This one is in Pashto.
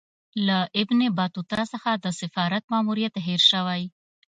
له ابن بطوطه څخه د سفارت ماموریت هېر سوی.